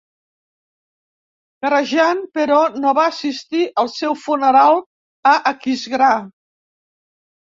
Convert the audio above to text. Karajan però no va assistir al seu funeral a Aquisgrà.